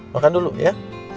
makan dulu ya